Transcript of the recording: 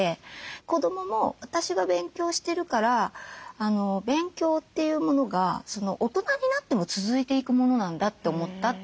子どもも私が勉強してるから勉強というものが大人になっても続いていくものなんだって思ったって。